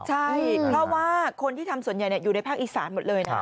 ใช่เพราะว่าคนที่ทำส่วนใหญ่อยู่ในภาคอีสานหมดเลยนะ